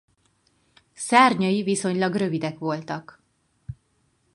Szárnyai viszonylag rövidek voltak.